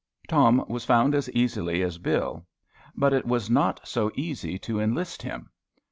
Tom was found as easily as Bill. But it was not so easy to enlist him.